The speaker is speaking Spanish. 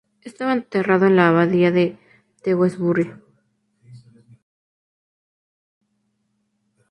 Está enterrado en la abadía de Tewkesbury.